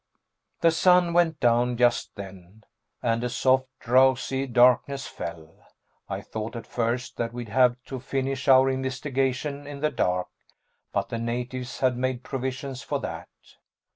The sun went down just then and a soft, drowsy darkness fell. I thought at first that we'd have to finish our investigation in the dark, but the natives had made provisions for that.